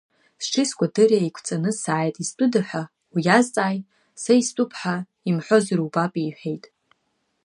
Сҽи скәадыри еиқәҵаны сааит, изтәыда ҳәа уиазҵааи, са истәуп ҳәа имҳәозар убап, — иҳәеит.